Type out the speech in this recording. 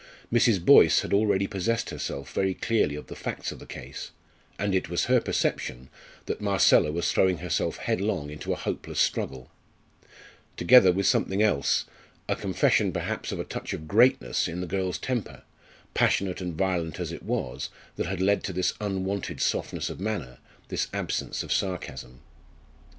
Mrs. Boyce had already possessed herself very clearly of the facts of the case, and it was her perception that Marcella was throwing herself headlong into a hopeless struggle together with something else a confession perhaps of a touch of greatness in the girl's temper, passionate and violent as it was, that had led to this unwonted softness of manner, this absence of sarcasm.